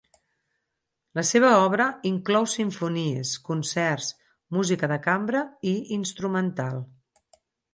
La seva obra inclou simfonies, concerts, música de cambra i instrumental.